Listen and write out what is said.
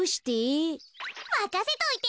まかせといて。